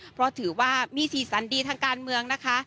เพราะถือว่ามีสีสันดีทางการเมืองนะคะ